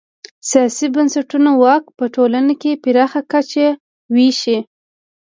سیاسي بنسټونه واک په ټولنه کې پراخه کچه وېشي.